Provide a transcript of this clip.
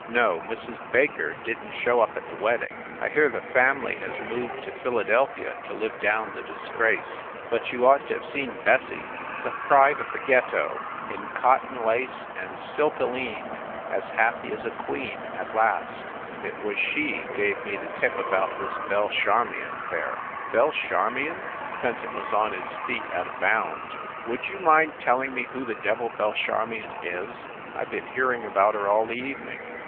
No, Mrs. Baker didn t show up at the wedding I hear the family has moved to Philadelphia to live down the disgrace. But you ought to have seen Bessie, the pride of the " By Jove ! I believe that s her now," he whispered THE REPORTER OF "THE ITEM." 113 Ghetto in cotton lace and silkolene, as happy as a queen, last night. It was she gave me the tip about this Belle Charmion affair." "Belle Charmion?" Fenton was on his feet at a bound. "Would you mind telling me who the devil Belle Charmion is? I ve been hearing about her all the evening."